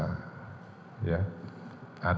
ada yang tidak tahu